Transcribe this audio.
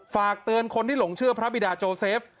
ฝากเตือนคนที่หลงเชื่อพระบิดาโจเซฟ